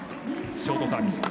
ショートサービス。